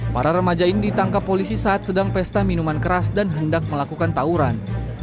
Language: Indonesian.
para remaja ini ditangkap polisi saat sedang pesta minuman keras dan hendak melakukan tawuran